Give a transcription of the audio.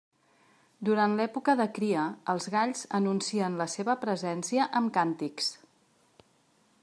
Durant l'època de cria, els galls anuncien la seva presència amb càntics.